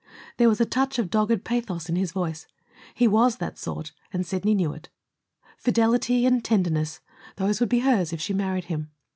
There was a touch of dogged pathos in his voice. He was that sort, and Sidney knew it. Fidelity and tenderness those would be hers if she married him.